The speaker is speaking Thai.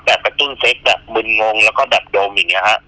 กระตุ้นเซ็กแบบมึนงงแล้วก็แบบดมอย่างนี้ฮะ